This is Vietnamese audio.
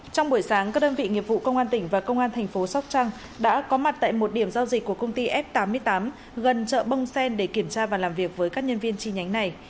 trong buổi sáng các đơn vị nghiệp vụ công an tỉnh và công an thành phố sóc trăng đã có mặt tại một điểm giao dịch của công ty f tám mươi tám gần chợ bông sen để kiểm tra và làm việc với các nhân viên chi nhánh này